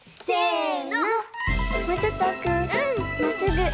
まっすぐ。